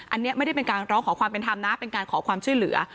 อันนี้ไม่ได้เป็นการร้องขอความเป็นธรรมนะเป็นการขอความช่วยเหลือ